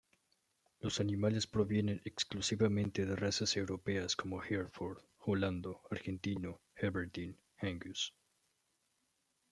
Los animales provienen exclusivamente de razas europeas como Hereford, Holando-Argentino y Aberdeen Angus.